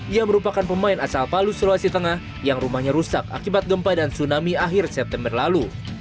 ia merupakan pemain asal palu sulawesi tengah yang rumahnya rusak akibat gempa dan tsunami akhir september lalu